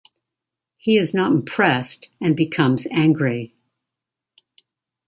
He is not impressed, and becomes angry.